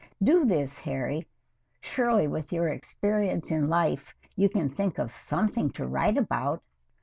Do this, Harry. Surely with your experience in life you can think of something to write about.